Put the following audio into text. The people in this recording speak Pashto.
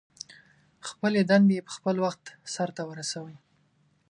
خپلې دندې په خپل وخت سرته ورسوئ.